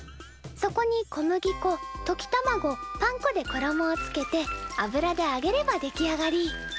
そこに小麦粉とき卵パン粉でころもをつけて油であげれば出来上がり！